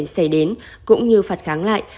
xảy đến cũng như phạt kháng lại